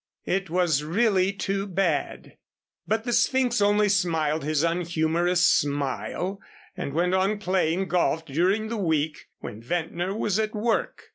It was really too bad. But the Sphynx only smiled his unhumorous smile, and went on playing golf during the week when Ventnor was at work.